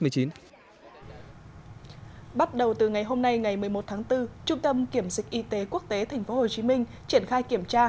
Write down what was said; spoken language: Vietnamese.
bắt đầu từ ngày hôm nay ngày một mươi một tháng bốn trung tâm kiểm dịch y tế quốc tế tp hcm triển khai kiểm tra